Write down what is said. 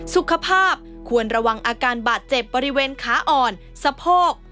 สุขภาพควรระวังอาการบาดเจ็บบริเวณขาอ่อนสะโพก